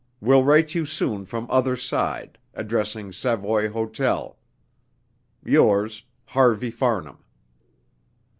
Will write you soon from other side, addressing Savoy Hotel. Yours, HARVEY FARNHAM."